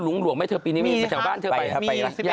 ล่วงไหมเธอปีนี้เหมือนไม่เห็นไหมไปจากบ้านเธอไปแล้วครับหรือคะ